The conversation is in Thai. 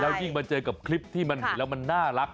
ยิ่งมาเจอกับคลิปที่มันเห็นแล้วมันน่ารัก